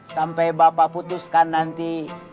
sampai bapak putuskan nanti